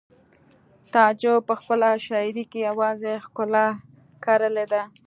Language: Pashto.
تعجب په خپله شاعرۍ کې یوازې ښکلا کرلې ده